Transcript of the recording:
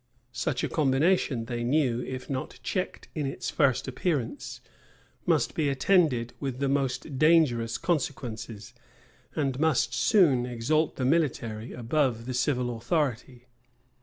Such a combination, they knew, if not checked in its first appearance, must be attended with the most dangerous consequences, and must soon exalt the military above the civil authority.